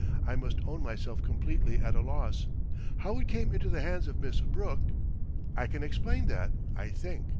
I must own myself completely at a loss. How it came into the hands of Miss Brooke " "I can explain that, I think.